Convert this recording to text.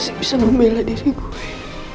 kau bisa membela diri gue